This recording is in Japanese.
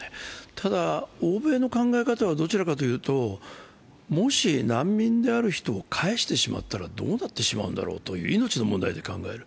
ただ、欧米の考え方はどちらかといと、もし、難民である人を帰してしまったらどうなってしまうんだろうという命の問題で考える。